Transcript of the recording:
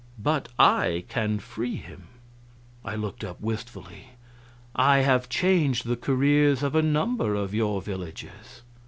But I can free him." I looked up wistfully. "I have changed the careers of a number of your villagers."